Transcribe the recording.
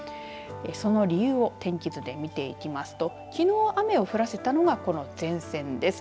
その理由を天気図で見ていきますときのう雨を降らせたのがこの前線です。